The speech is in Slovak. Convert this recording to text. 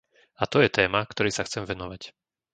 A to je téma, ktorej sa chcem venovať.